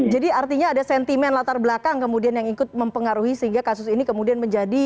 jadi artinya ada sentimen latar belakang kemudian yang ikut mempengaruhi sehingga kasus ini kemudian menjadi viral